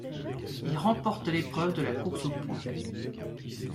Il remporte l'épreuve de la course aux points.